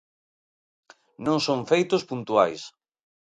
Non son feitos puntuais.